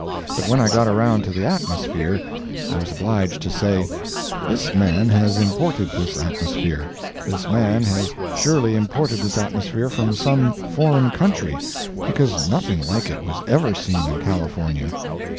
But when I got around to the atmosphere, I was obliged to say "This man has imported this atmosphere; this man has surely imported this atmosphere from some foreign country, because nothing like it was ever seen in California."